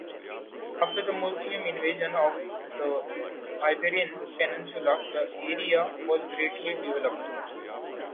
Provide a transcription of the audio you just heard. After the Muslim invasion of the Iberian Peninsula, the area was greatly developed.